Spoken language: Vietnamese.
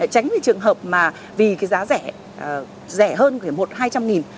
tránh cái trường hợp mà vì cái giá rẻ rẻ hơn một hai trăm linh nghìn